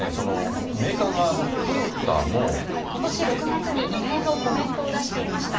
ことし６月に異例のコメントを出していました。